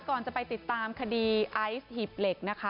ก่อนจะไปติดตามคดีไอซ์หีบเหล็กนะคะ